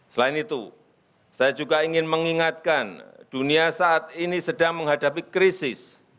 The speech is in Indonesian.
selain itu saya juga ingin mengingatkan dunia saat ini sedang menghadapi krisis